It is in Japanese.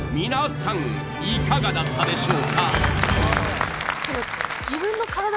皆さんいかがだったでしょうか？